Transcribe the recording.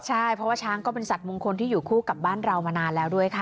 ใช่เพราะว่าช้างก็เป็นสัตว์มงคลที่อยู่คู่กับบ้านเรามานานแล้วด้วยค่ะ